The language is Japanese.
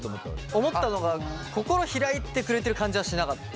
思ったのが心開いてくれてる感じはしなかった。